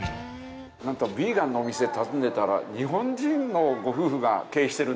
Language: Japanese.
なんとヴィーガンのお店訪ねたら日本人のご夫婦が経営しているんですね。